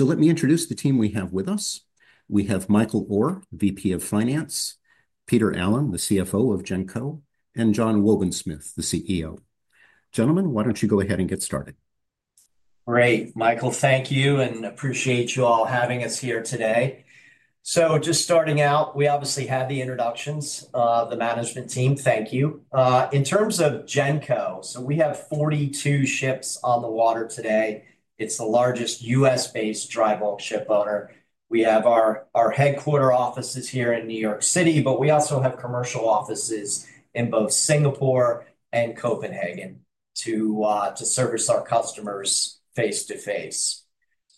Let me introduce the team we have with us. We have Michael Orr, VP of Finance, Peter Allen, the CFO of Genco, and John Wobensmith, the CEO. Gentlemen, why don't you go ahead and get started? Great, Michael, thank you, and appreciate you all having us here today. Just starting out, we obviously have the introductions of the management team. Thank you. In terms of Genco, we have 42 ships on the water today. It's the largest U.S.-based dry bulk ship owner. We have our headquarter offices here in New York City, but we also have commercial offices in both Singapore and Copenhagen to service our customers face to face.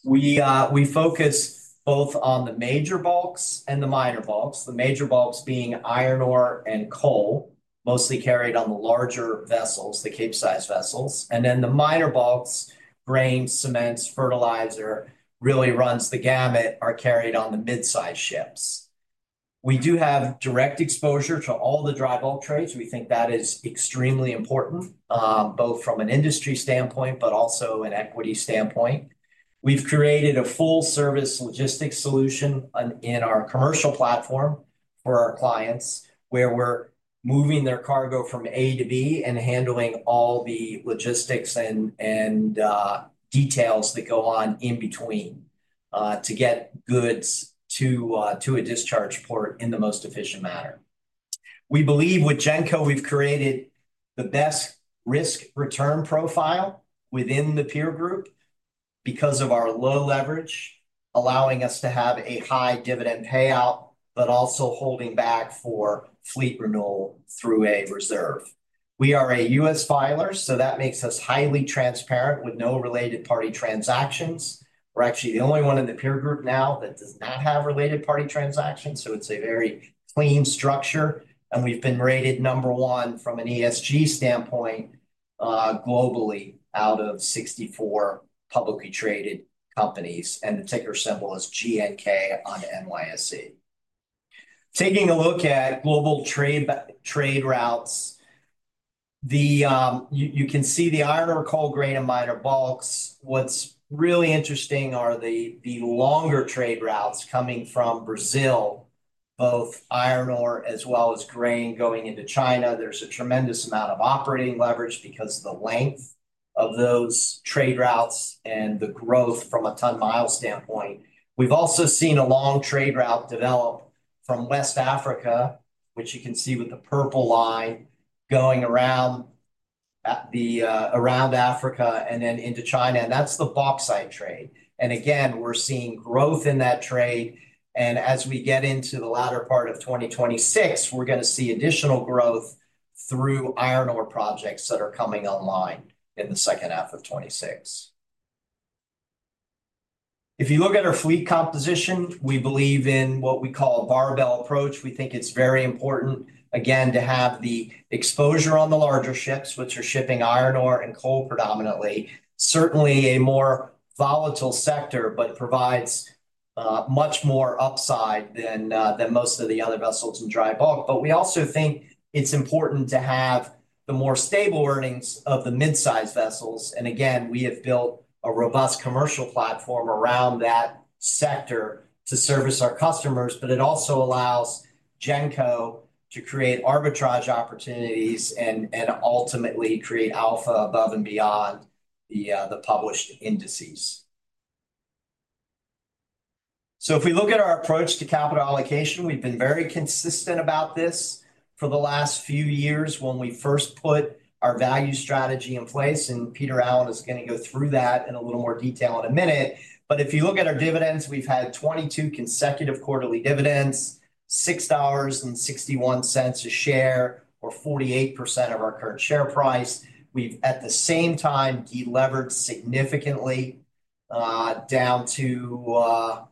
We focus both on the major bulks and the minor bulks, the major bulks being iron ore and coal, mostly carried on the larger vessels, the Capesize vessels, and then the minor bulks, grain, cements, fertilizer, really runs the gamut, are carried on the mid-sized ships. We do have direct exposure to all the dry bulk trades. We think that is extremely important, both from an industry standpoint but also an equity standpoint. We've created a full-service logistics solution in our commercial platform for our clients, where we're moving their cargo from A to B and handling all the logistics and details that go on in between to get goods to a discharge port in the most efficient manner. We believe with Genco, we've created the best risk return profile within the peer group because of our low leverage, allowing us to have a high dividend payout, but also holding back for fleet renewal through a reserve. We are a U.S. filer, so that makes us highly transparent with no related party transactions. We're actually the only one in the peer group now that does not have related party transactions, so it's a very clean structure. We've been rated number one from an ESG standpoint globally out of 64 publicly traded companies, and the ticker symbol is GNK on NYSE. Taking a look at global trade routes, you can see the iron ore, coal, grain, and minor bulks. What's really interesting are the longer trade routes coming from Brazil, both iron ore as well as grain going into China. There's a tremendous amount of operating leverage because of the length of those trade routes and the growth from a ton-mile standpoint. We've also seen a long trade route develop from West Africa, which you can see with the purple line going around Africa and then into China. That is the bauxite trade. Again, we're seeing growth in that trade. As we get into the latter part of 2026, we're going to see additional growth through iron ore projects that are coming online in the second half of 2026. If you look at our fleet composition, we believe in what we call a barbell approach. We think it's very important, again, to have the exposure on the larger ships, which are shipping iron ore and coal predominantly. Certainly a more volatile sector, but provides much more upside than most of the other vessels in dry bulk. We also think it's important to have the more stable earnings of the mid-sized vessels. Again, we have built a robust commercial platform around that sector to service our customers, but it also allows Genco to create arbitrage opportunities and ultimately create alpha above and beyond the published indices. If we look at our approach to capital allocation, we've been very consistent about this for the last few years when we first put our value strategy in place. Peter Allen is going to go through that in a little more detail in a minute. If you look at our dividends, we've had 22 consecutive quarterly dividends, $6.61 a share, or 48% of our current share price. We've, at the same time, deleveraged significantly down to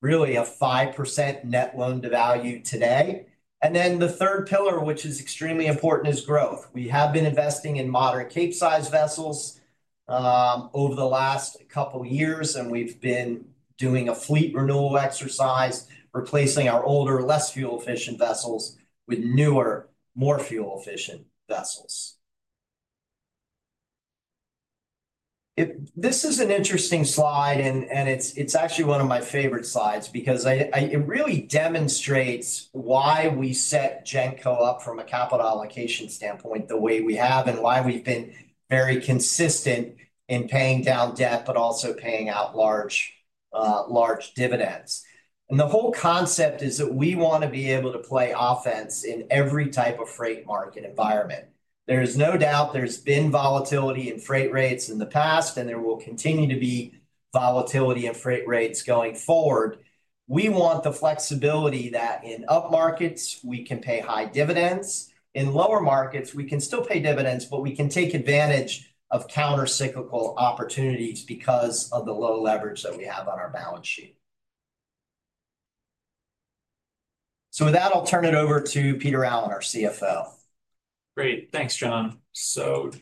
really a 5% Net Loan-to-Value today. The third pillar, which is extremely important, is growth. We have been investing in modern cape-sized vessels over the last couple of years, and we've been doing a fleet renewal exercise, replacing our older, less fuel-efficient vessels with newer, more fuel-efficient vessels. This is an interesting slide, and it's actually one of my favorite slides because it really demonstrates why we set Genco up from a capital allocation standpoint the way we have and why we've been very consistent in paying down debt, but also paying out large dividends. The whole concept is that we want to be able to play offense in every type of freight market environment. There is no doubt there's been volatility in freight rates in the past, and there will continue to be volatility in freight rates going forward. We want the flexibility that in up markets, we can pay high dividends. In lower markets, we can still pay dividends, but we can take advantage of countercyclical opportunities because of the low leverage that we have on our balance sheet. With that, I'll turn it over to Peter Allen, our CFO. Great. Thanks, John.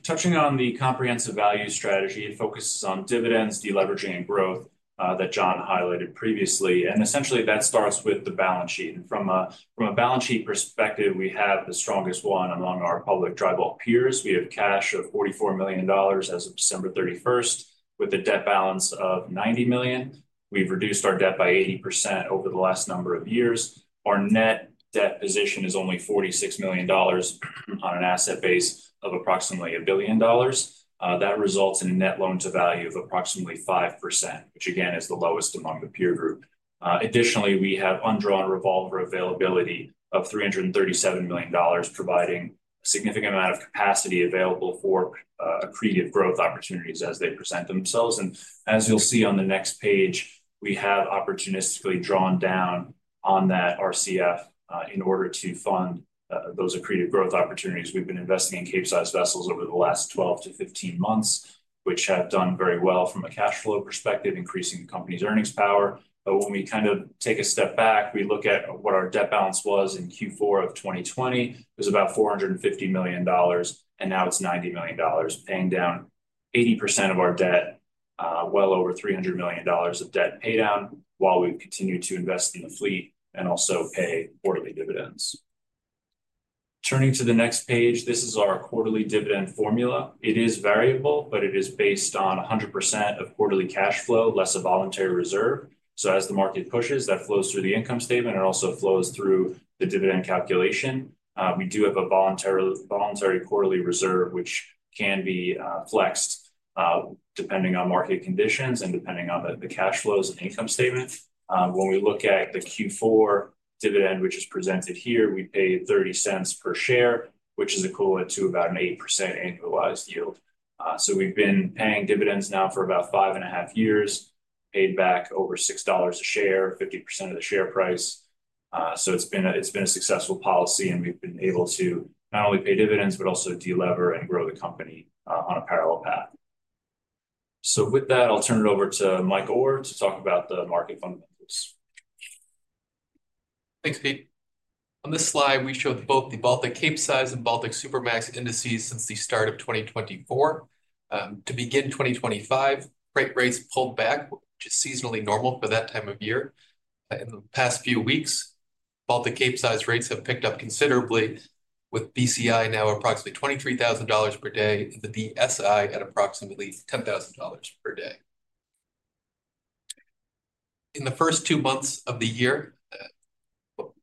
Touching on the comprehensive value strategy, it focuses on dividends, deleveraging, and growth that John highlighted previously. Essentially, that starts with the balance sheet. From a balance sheet perspective, we have the strongest one among our public dry bulk peers. We have cash of $44 million as of December 31st, with a debt balance of $90 million. We've reduced our debt by 80% over the last number of years. Our net debt position is only $46 million on an asset base of approximately $1 billion. That results in a net loan to value of approximately 5%, which again is the lowest among the peer group. Additionally, we have undrawn revolver availability of $337 million, providing a significant amount of capacity available for accretive growth opportunities as they present themselves. As you'll see on the next page, we have opportunistically drawn down on that RCF in order to fund those accretive growth opportunities. We've been investing in cape-sized vessels over the last 12 to 15 months, which have done very well from a cash flow perspective, increasing the company's earnings power. When we kind of take a step back, we look at what our debt balance was in Q4 of 2020. It was about $450 million, and now it's $90 million, paying down 80% of our debt, well over $300 million of debt paydown, while we continue to invest in the fleet and also pay quarterly dividends. Turning to the next page, this is our quarterly dividend formula. It is variable, but it is based on 100% of quarterly cash flow, less a voluntary reserve. As the market pushes, that flows through the income statement and also flows through the dividend calculation. We do have a voluntary quarterly reserve, which can be flexed depending on market conditions and depending on the cash flows and income statement. When we look at the Q4 dividend, which is presented here, we pay $0.30 per share, which is equivalent to about an 8% annualized yield. We have been paying dividends now for about five and a half years, paid back over $6 a share, 50% of the share price. It has been a successful policy, and we have been able to not only pay dividends, but also delever and grow the company on a parallel path. With that, I will turn it over to Michael Orr to talk about the market fundamentals. Thanks, Pete. On this slide, we showed both the Baltic Capesize and Baltic Supramax indices since the start of 2024. To begin 2024, freight rates pulled back, which is seasonally normal for that time of year. In the past few weeks, Baltic Capesize rates have picked up considerably, with BCI now approximately $23,000 per day and the BSI at approximately $10,000 per day. In the first two months of the year,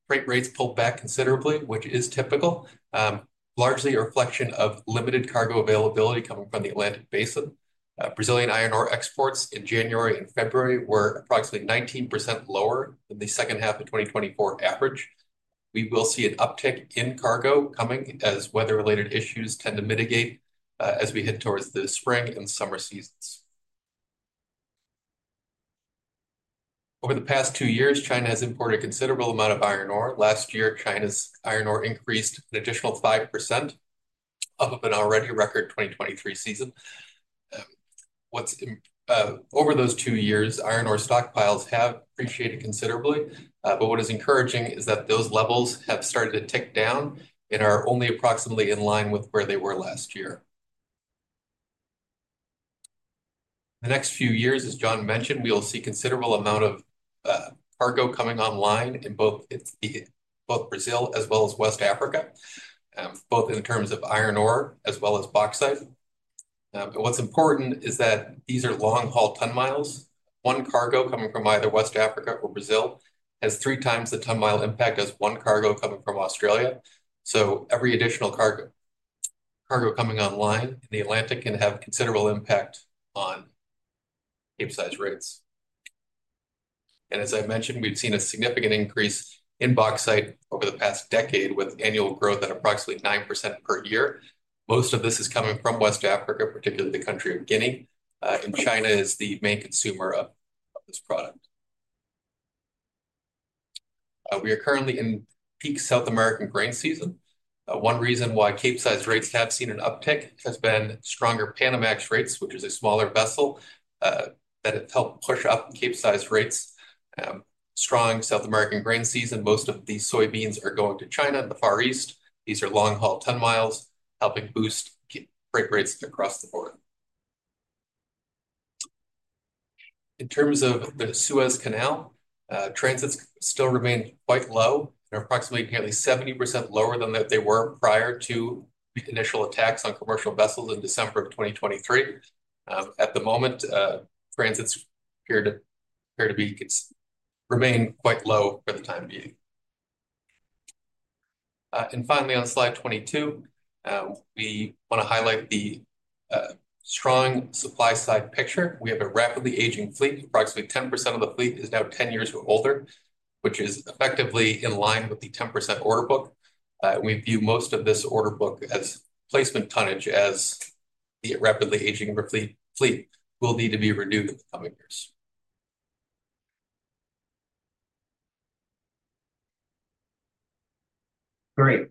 freight rates pulled back considerably, which is typical, largely a reflection of limited cargo availability coming from the Atlantic Basin. Brazilian iron ore exports in January and February were approximately 19% lower than the second half of 2023 average. We will see an uptick in cargo coming as weather-related issues tend to mitigate as we head towards the spring and summer seasons. Over the past two years, China has imported a considerable amount of iron ore. Last year, China's iron ore increased an additional 5% off of an already record 2023 season. Over those two years, iron ore stockpiles have appreciated considerably, but what is encouraging is that those levels have started to tick down and are only approximately in line with where they were last year. The next few years, as John mentioned, we will see a considerable amount of cargo coming online in both Brazil as well as West Africa, both in terms of iron ore as well as bauxite. What's important is that these are long-haul ton miles. One cargo coming from either West Africa or Brazil has three times the ton-mile impact as one cargo coming from Australia. Every additional cargo coming online in the Atlantic can have a considerable impact on cape-sized rates. As I mentioned, we've seen a significant increase in bauxite over the past decade, with annual growth at approximately 9% per year. Most of this is coming from West Africa, particularly the country of Guinea, and China is the main consumer of this product. We are currently in peak South American grain season. One reason why cape-sized rates have seen an uptick has been stronger Panamax rates, which is a smaller vessel that helped push up cape-sized rates. Strong South American grain season. Most of the soybeans are going to China in the Far East. These are long-haul ton miles, helping boost freight rates across the board. In terms of the Suez Canal, transits still remain quite low, approximately nearly 70% lower than they were prior to the initial attacks on commercial vessels in December of 2023. At the moment, transits appear to remain quite low for the time being. Finally, on slide 22, we want to highlight the strong supply-side picture. We have a rapidly aging fleet. Approximately 10% of the fleet is now 10 years or older, which is effectively in line with the 10% order book. We view most of this order book as replacement tonnage, as the rapidly aging fleet will need to be renewed in the coming years. Great.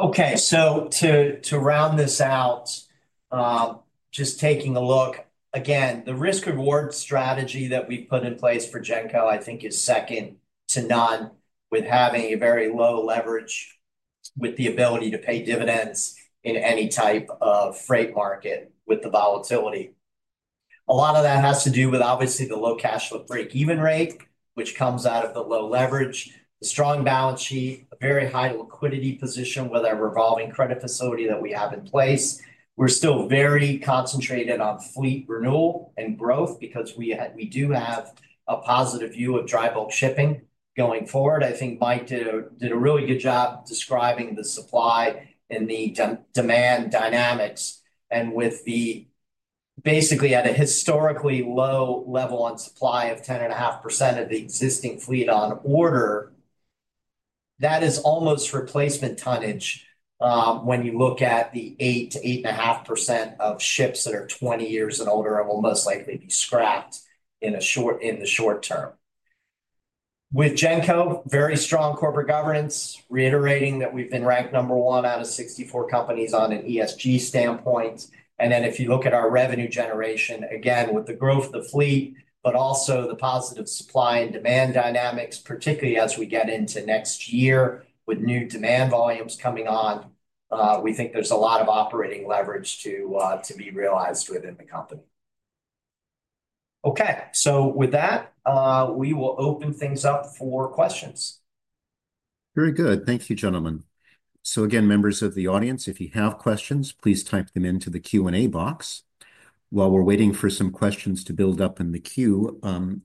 Okay. To round this out, just taking a look, again, the risk-reward strategy that we've put in place for Genco, I think, is second to none with having a very low leverage with the ability to pay dividends in any type of freight market with the volatility. A lot of that has to do with, obviously, the low cash flow break-even rate, which comes out of the low leverage, the strong balance sheet, a very high liquidity position with our revolving credit facility that we have in place. We're still very concentrated on fleet renewal and growth because we do have a positive view of dry bulk shipping going forward. I think Mike did a really good job describing the supply and the demand dynamics. With the basically at a historically low level on supply of 10.5% of the existing fleet on order, that is almost replacement tonnage when you look at the 8-8.5% of ships that are 20 years and older and will most likely be scrapped in the short term. With Genco, very strong corporate governance, reiterating that we've been ranked number one out of 64 companies on an ESG standpoint. If you look at our revenue generation, again, with the growth of the fleet, but also the positive supply and demand dynamics, particularly as we get into next year with new demand volumes coming on, we think there's a lot of operating leverage to be realized within the company. Okay. With that, we will open things up for questions. Very good. Thank you, gentlemen. Again, members of the audience, if you have questions, please type them into the Q&A box. While we're waiting for some questions to build up in the queue,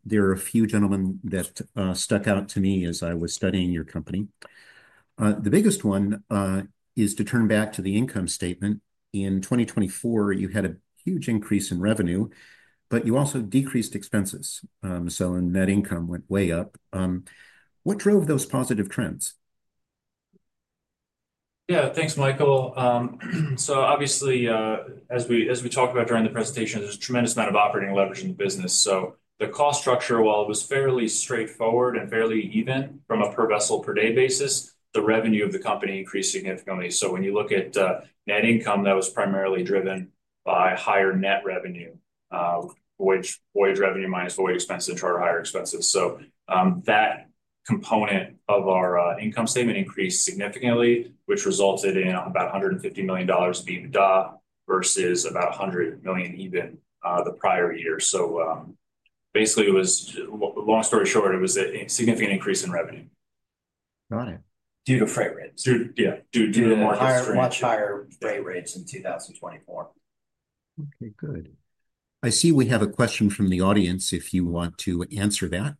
there are a few gentlemen that stuck out to me as I was studying your company. The biggest one is to turn back to the income statement. In 2024, you had a huge increase in revenue, but you also decreased expenses. Net income went way up. What drove those positive trends? Yeah. Thanks, Michael. Obviously, as we talked about during the presentation, there's a tremendous amount of operating leverage in the business. The cost structure, while it was fairly straightforward and fairly even from a per-vessel-per-day basis, the revenue of the company increased significantly. When you look at net income, that was primarily driven by higher net revenue, voyage revenue minus voyage expenses and charter hire expenses. That component of our income statement increased significantly, which resulted in about $150 million being the EBITDA versus about $100 million even the prior year. Basically, long story short, it was a significant increase in revenue. Got it. Due to freight rates. Yeah. Due to the market's range. Higher, much higher freight rates in 2024. Okay. Good. I see we have a question from the audience if you want to answer that.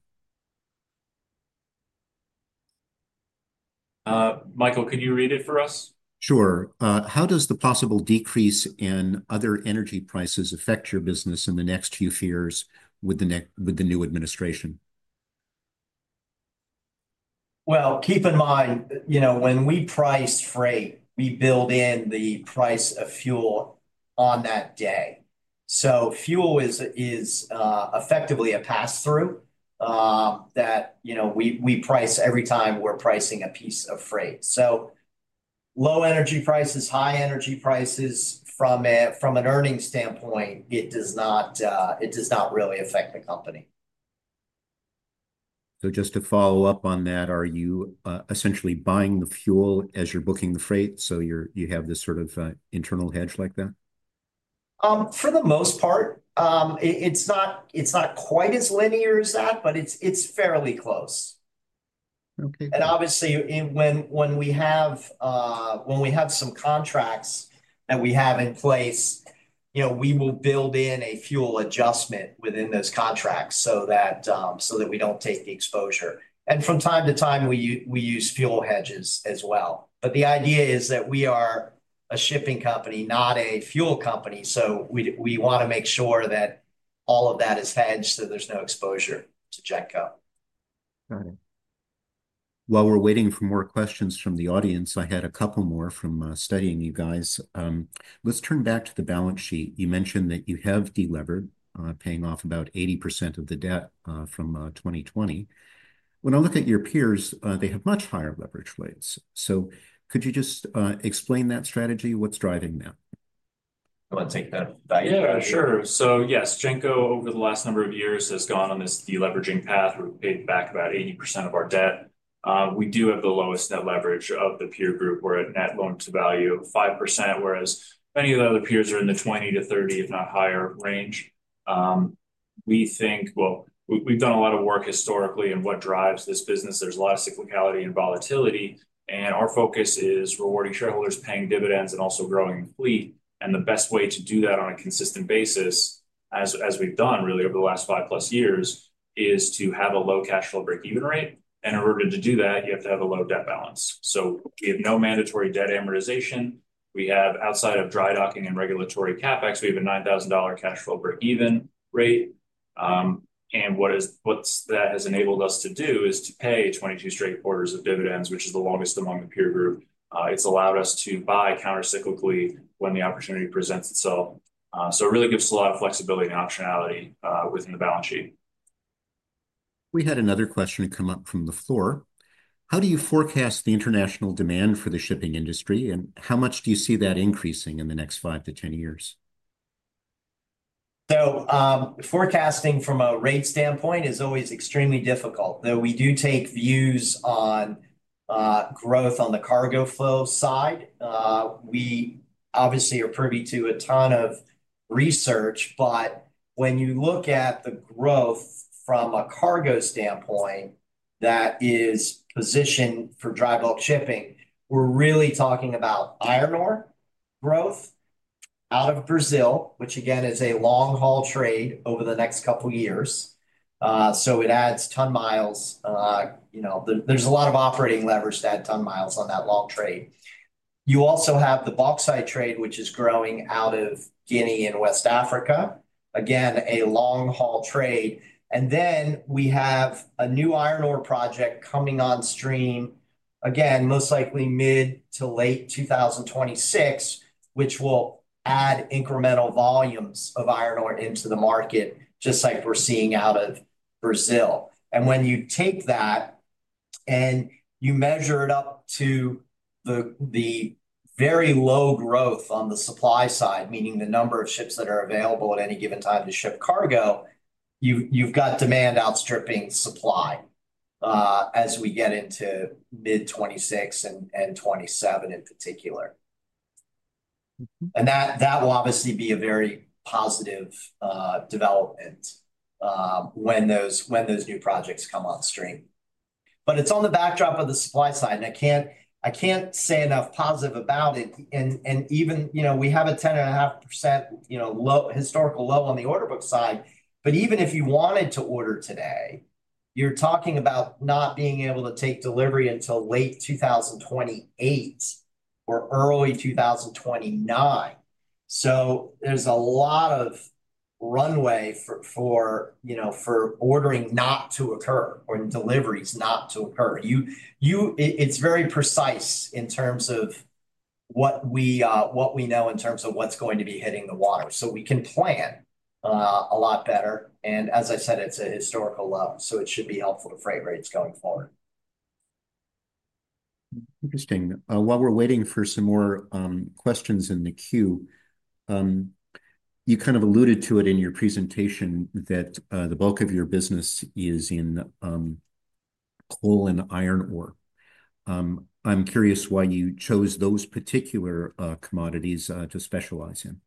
Michael, can you read it for us? Sure. How does the possible decrease in other energy prices affect your business in the next few years with the new administration? Keep in mind, when we price freight, we build in the price of fuel on that day. Fuel is effectively a pass-through that we price every time we're pricing a piece of freight. Low energy prices, high energy prices, from an earnings standpoint, it does not really affect the company. Just to follow up on that, are you essentially buying the fuel as you're booking the freight? You have this sort of internal hedge like that? For the most part, it's not quite as linear as that, but it's fairly close. Obviously, when we have some contracts that we have in place, we will build in a fuel adjustment within those contracts so that we don't take the exposure. From time to time, we use fuel hedges as well. The idea is that we are a shipping company, not a fuel company. We want to make sure that all of that is hedged so there's no exposure to Genco. Got it. While we're waiting for more questions from the audience, I had a couple more from studying you guys. Let's turn back to the balance sheet. You mentioned that you have delivered, paying off about 80% of the debt from 2020. When I look at your peers, they have much higher leverage rates. Could you just explain that strategy? What's driving that? Will you take that? Yeah, sure. So yes, Genco, over the last number of years, has gone on this deleveraging path. We've paid back about 80% of our debt. We do have the lowest net leverage of the peer group. We're at net loan to value of 5%, whereas many of the other peers are in the 20%-30%, if not higher, range. We think, well, we've done a lot of work historically in what drives this business. There's a lot of cyclicality and volatility. And our focus is rewarding shareholders, paying dividends, and also growing the fleet. The best way to do that on a consistent basis, as we've done really over the last five plus years, is to have a low cash flow break-even rate. In order to do that, you have to have a low debt balance. We have no mandatory debt amortization. Outside of dry docking and regulatory CapEx, we have a $9,000 cash flow break-even rate. What that has enabled us to do is to pay 22 straight quarters of dividends, which is the longest among the peer group. It has allowed us to buy countercyclically when the opportunity presents itself. It really gives us a lot of flexibility and optionality within the balance sheet. We had another question come up from the floor. How do you forecast the international demand for the shipping industry, and how much do you see that increasing in the next 5 to 10 years? Forecasting from a rate standpoint is always extremely difficult, though we do take views on growth on the cargo flow side. We obviously are privy to a ton of research, but when you look at the growth from a cargo standpoint that is positioned for dry bulk shipping, we're really talking about iron ore growth out of Brazil, which, again, is a long-haul trade over the next couple of years. It adds ton miles. There is a lot of operating leverage to add ton miles on that long trade. You also have the bauxite trade, which is growing out of Guinea and West Africa. Again, a long-haul trade. We have a new iron ore project coming on stream, again, most likely mid to late 2026, which will add incremental volumes of iron ore into the market, just like we're seeing out of Brazil. When you take that and you measure it up to the very low growth on the supply side, meaning the number of ships that are available at any given time to ship cargo, you've got demand outstripping supply as we get into mid 2026 and 2027 in particular. That will obviously be a very positive development when those new projects come on stream. It is on the backdrop of the supply side. I can't say enough positive about it. We have a 10.5% historical low on the order book side. Even if you wanted to order today, you're talking about not being able to take delivery until late 2028 or early 2029. There is a lot of runway for ordering not to occur or deliveries not to occur. It's very precise in terms of what we know in terms of what's going to be hitting the water. We can plan a lot better. As I said, it's a historical low, so it should be helpful to freight rates going forward. Interesting. While we're waiting for some more questions in the queue, you kind of alluded to it in your presentation that the bulk of your business is in coal and iron ore. I'm curious why you chose those particular commodities to specialize in.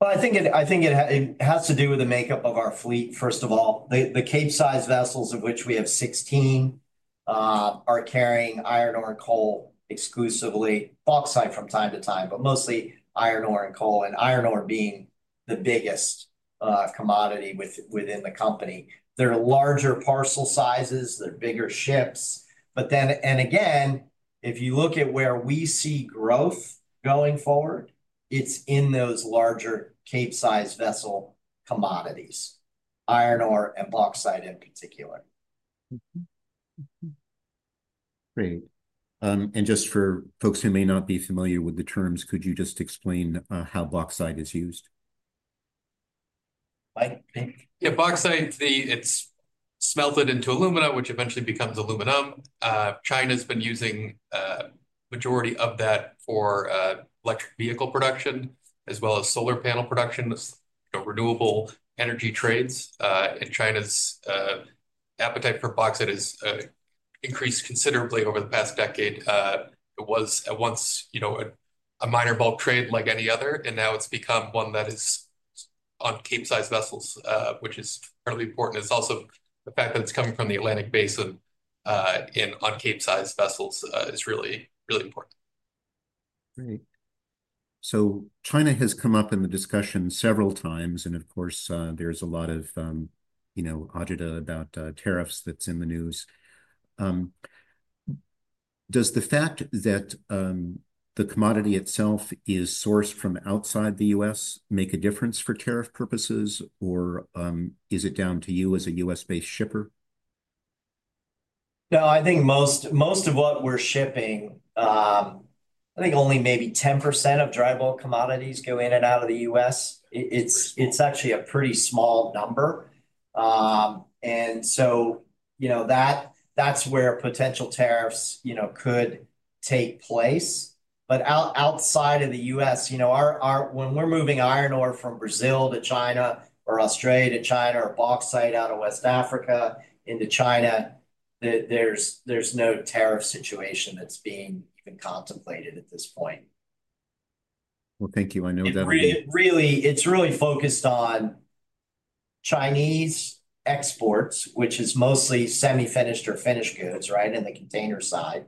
I think it has to do with the makeup of our fleet, first of all. The cape-sized vessels, of which we have 16, are carrying iron ore and coal exclusively, bauxite from time to time, but mostly iron ore and coal, and iron ore being the biggest commodity within the company. They're larger parcel sizes. They're bigger ships. If you look at where we see growth going forward, it's in those larger cape-sized vessel commodities, iron ore and bauxite in particular. Great. Just for folks who may not be familiar with the terms, could you just explain how bauxite is used? Yeah. Bauxite, it's smelted into alumina, which eventually becomes aluminum. China's been using the majority of that for electric vehicle production as well as solar panel production. It's renewable energy trades. China's appetite for bauxite has increased considerably over the past decade. It was once a minor bulk trade like any other, and now it's become one that is on cape-sized vessels, which is fairly important. It's also the fact that it's coming from the Atlantic Basin on cape-sized vessels is really, really important. Great. China has come up in the discussion several times. Of course, there is a lot of agita about tariffs that is in the news. Does the fact that the commodity itself is sourced from outside the U.S. make a difference for tariff purposes, or is it down to you as a U.S.-based shipper? No, I think most of what we're shipping, I think only maybe 10% of dry bulk commodities go in and out of the U.S. It's actually a pretty small number. That's where potential tariffs could take place. Outside of the U.S., when we're moving iron ore from Brazil to China or Australia to China or bauxite out of West Africa into China, there's no tariff situation that's being even contemplated at this point. Thank you. I know that. It's really focused on Chinese exports, which is mostly semi-finished or finished goods, right, in the container side,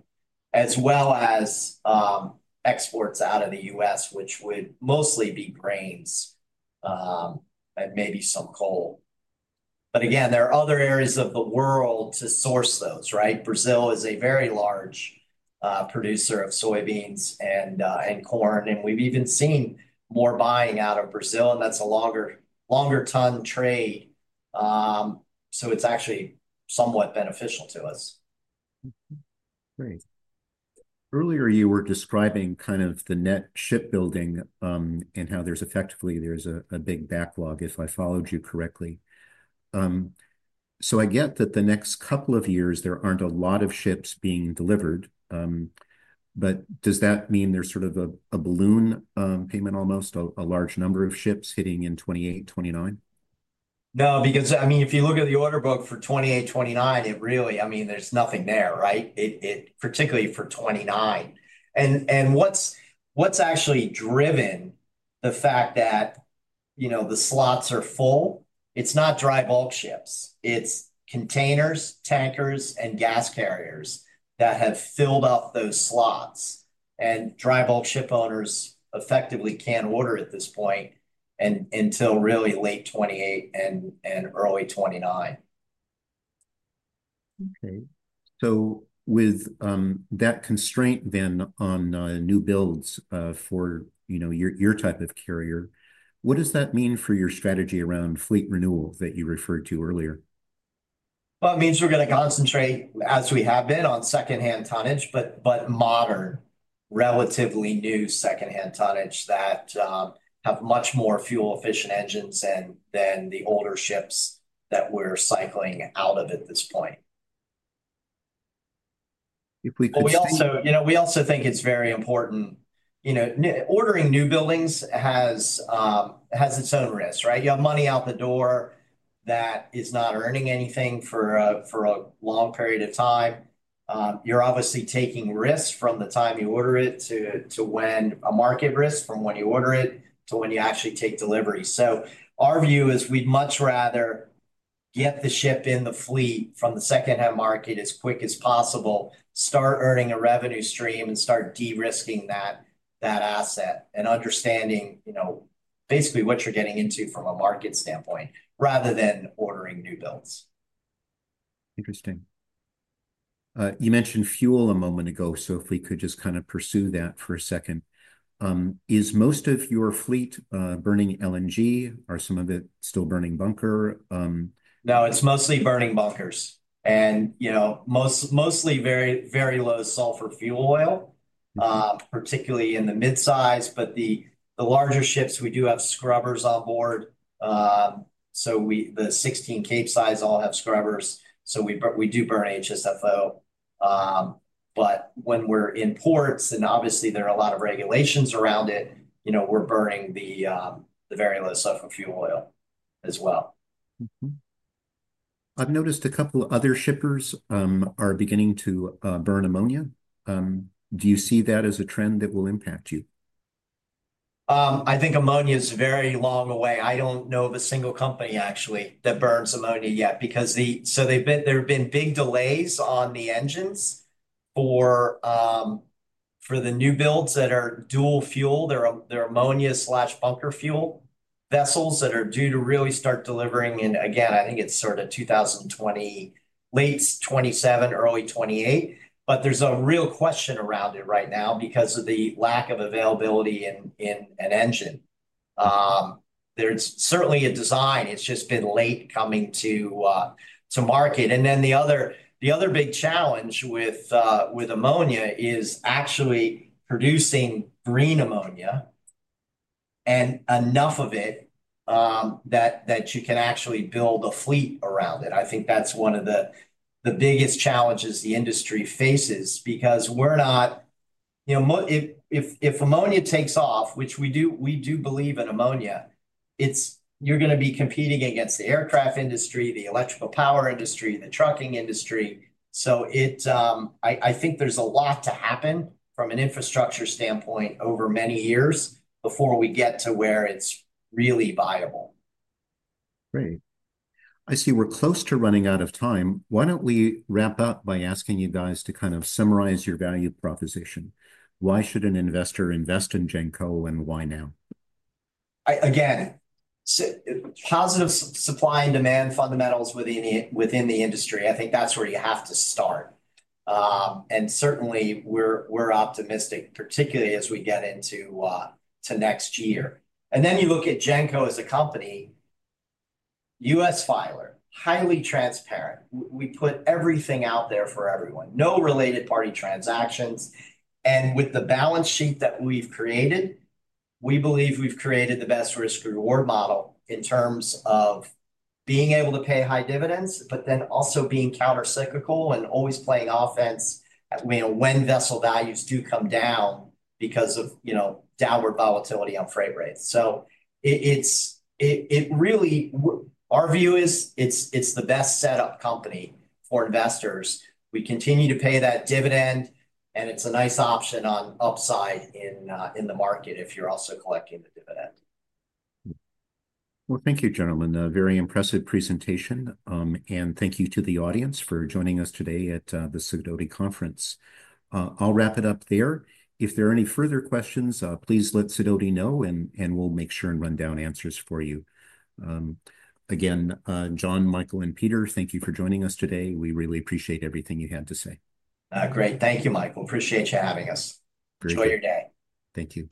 as well as exports out of the U.S., which would mostly be grains and maybe some coal. There are other areas of the world to source those, right? Brazil is a very large producer of soybeans and corn. We've even seen more buying out of Brazil, and that's a longer-ton trade. It's actually somewhat beneficial to us. Great. Earlier, you were describing kind of the net shipbuilding and how there's effectively a big backlog, if I followed you correctly. I get that the next couple of years, there aren't a lot of ships being delivered. Does that mean there's sort of a balloon payment almost, a large number of ships hitting in 2028, 2029? No, because I mean, if you look at the order book for 2028, 2029, it really, I mean, there's nothing there, right? Particularly for 2029. And what's actually driven the fact that the slots are full? It's not dry bulk ships. It's containers, tankers, and gas carriers that have filled up those slots. And dry bulk ship owners effectively can't order at this point until really late 2028 and early 2029. Okay. With that constraint then on new builds for your type of carrier, what does that mean for your strategy around fleet renewal that you referred to earlier? It means we're going to concentrate, as we have been, on secondhand tonnage, but modern, relatively new secondhand tonnage that have much more fuel-efficient engines than the older ships that we're cycling out of at this point. If we could. We also think it's very important. Ordering new buildings has its own risk, right? You have money out the door that is not earning anything for a long period of time. You're obviously taking risk from the time you order it to when a market risk from when you order it to when you actually take delivery. Our view is we'd much rather get the ship in the fleet from the secondhand market as quick as possible, start earning a revenue stream, and start de-risking that asset and understanding basically what you're getting into from a market standpoint rather than ordering new builds. Interesting. You mentioned fuel a moment ago, so if we could just kind of pursue that for a second. Is most of your fleet burning LNG? Are some of it still burning bunker? No, it's mostly burning bunkers. And mostly Very Low Sulfur Fuel Oil particularly in the mid-size. But the larger ships, we do have scrubbers on board. So the 16 cape-size all have scrubbers. So we do burn HSFO. But when we're in ports, and obviously, there are a lot of regulations around it, we're burning the Very Low Sulfur Fuel Oil as well. I've noticed a couple of other shippers are beginning to burn ammonia. Do you see that as a trend that will impact you? I think ammonia is very long away. I do not know of a single company, actually, that burns ammonia yet. There have been big delays on the engines for the new builds that are dual fuel. They are ammonia/bunker fuel vessels that are due to really start delivering. I think it is sort of 2027, late 2027, early 2028. There is a real question around it right now because of the lack of availability in an engine. There is certainly a design. It has just been late coming to market. The other big challenge with ammonia is actually producing green ammonia and enough of it that you can actually build a fleet around it. I think that's one of the biggest challenges the industry faces because we're not, if ammonia takes off, which we do believe in ammonia, you're going to be competing against the aircraft industry, the electrical power industry, the trucking industry. I think there's a lot to happen from an infrastructure standpoint over many years before we get to where it's really viable. Great. I see we're close to running out of time. Why don't we wrap up by asking you guys to kind of summarize your value proposition? Why should an investor invest in Genco and why now? Again, positive supply and demand fundamentals within the industry. I think that's where you have to start. Certainly, we're optimistic, particularly as we get into next year. You look at Genco as a company, U.S. filer, highly transparent. We put everything out there for everyone. No related party transactions. With the balance sheet that we've created, we believe we've created the best risk-reward model in terms of being able to pay high dividends, but then also being countercyclical and always playing offense when vessel values do come down because of downward volatility on freight rates. Our view is it's the best setup company for investors. We continue to pay that dividend, and it's a nice option on upside in the market if you're also collecting the dividend. Thank you, gentlemen. Very impressive presentation. Thank you to the audience for joining us today at the Sidoti Conference. I'll wrap it up there. If there are any further questions, please let Sidoti know, and we'll make sure and run down answers for you. Again, John, Michael, and Peter, thank you for joining us today. We really appreciate everything you had to say. Great. Thank you, Michael. Appreciate you having us. Enjoy your day. Thank you.